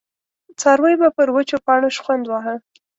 څارويو به پر وچو پاڼو شخوند واهه.